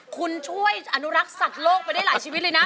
คุณช่วยอนุรักษ์สัตว์โลกไปได้หลายชีวิตเลยนะ